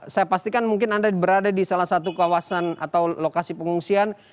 saya pastikan mungkin anda berada di salah satu kawasan atau lokasi pengungsian